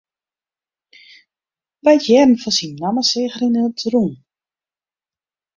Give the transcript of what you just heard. By it hearren fan syn namme seach er yn it rûn.